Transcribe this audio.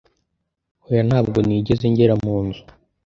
hoya ntabwo nigeze ngera munzu